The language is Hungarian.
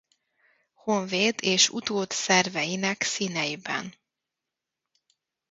Honvéd és utód szerveinek színeiben.